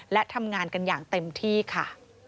และทำงานกันอย่างเต็มที่ค่ะ